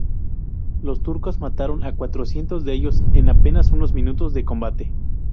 Los turcos mataron a cuatrocientos de ellos en apenas unos minutos de combate.